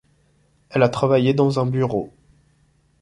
Elle a travaillé dans un bureau.